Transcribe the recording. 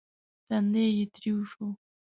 تندی يې تريو شو.